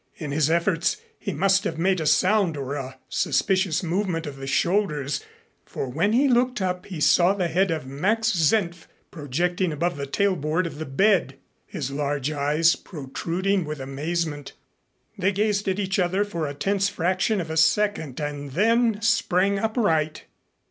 In his efforts he must have made a sound or a suspicious movement of the shoulders, for when he looked up he saw the head of Max Senf projecting above the tailboard of the bed, his large eyes protruding with amazement. They gazed at each other for a tense fraction of a second and then sprang upright.